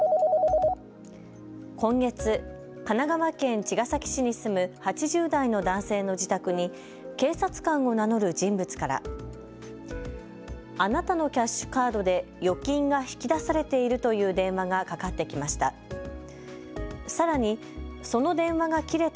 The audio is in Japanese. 今月、神奈川県茅ヶ崎市に住む８０代の男性の自宅に警察官を名乗る人物からあなたのキャッシュカードで預金が引き出されているという電話がかかってきました。